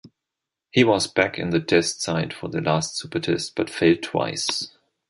He was back in the test side for the last supertest but failed twice.